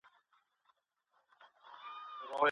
د ازاد انسان له پلورلو څخه لاس واخلئ.